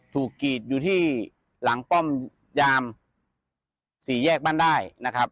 ถูกกรีดอยู่ที่หลังป้อมยาม๔แยกบ้านได้